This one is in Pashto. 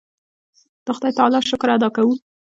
د خدای تعالی شکر ادا کوو.